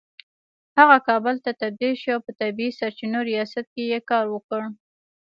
هغه کابل ته تبدیل شو او په طبیعي سرچینو ریاست کې يې کار وکړ